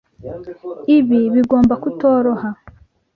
Ibi bigomba kutoroha.